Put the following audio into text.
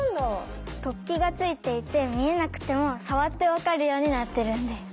突起がついていて見えなくても触って分かるようになってるんです。